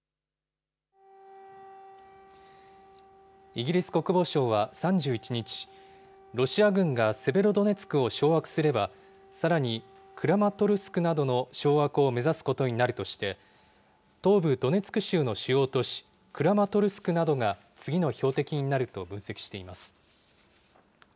イギリス国防省は３１日、ロシア軍がセベロドネツクを掌握すれば、さらにクラマトルスクなどの掌握を目指すことになるとして、東部ドネツク州の主要都市、クラマトルスクなどが、次の標的になると分析しています。